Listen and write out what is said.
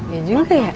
ya juga ya